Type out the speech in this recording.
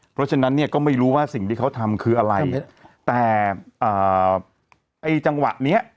เพราะฉะนั้นเนี่ยก็ไม่รู้ว่าสิ่งที่เขาทำคืออะไรแต่อ่าไอ้จังหวะเนี้ย